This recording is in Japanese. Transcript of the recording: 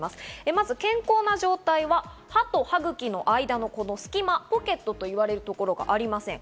まず健康な状態は歯と歯ぐきの間のこの隙間、ポケットといわれるところがありません。